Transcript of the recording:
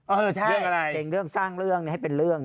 เรื่องอะไรเก่งเรื่องสร้างเรื่องให้เป็นเรื่อง